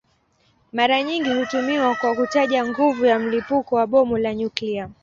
Mara nyingi hutumiwa kwa kutaja nguvu ya mlipuko wa bomu la nyuklia.